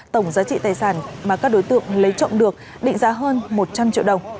tổng giá trị tài sản mà các đối tượng lấy trộm được định giá hơn một trăm linh triệu đồng